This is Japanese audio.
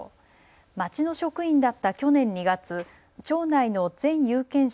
町の職員だった去年２月、町内の全有権者